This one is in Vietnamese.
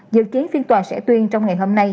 dự kiến phiên tòa sẽ tuyên trong ngày hôm nay